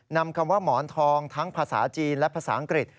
นำคำว่าหมอนทองทั้งภาษาจีนและภาษาอังกฤษ